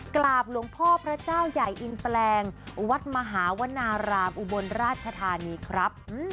กราบหลวงพ่อพระเจ้าใหญ่อินแปลงวัดมหาวนารามอุบลราชธานีครับ